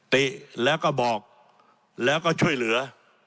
ติแล้วก็บอกแล้วก็ช่วยเหลือ